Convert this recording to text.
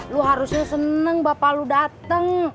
lu harusnya seneng bapak lu dateng